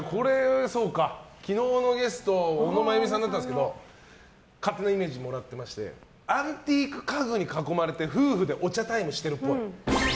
昨日のゲスト小野真弓さんだったんですけど勝手なイメージもらってましてアンティーク家具に囲まれて夫婦でお茶タイムしてるっぽい。